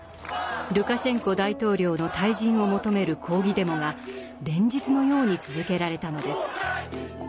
ルカシェンコ大統領の退陣を求める抗議デモが連日のように続けられたのです。